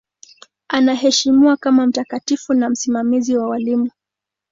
Anaheshimiwa kama mtakatifu na msimamizi wa walimu.